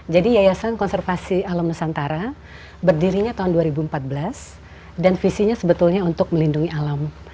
jadi yayasan konservasi alam nusantara berdirinya tahun dua ribu empat belas dan visinya sebetulnya untuk melindungi alam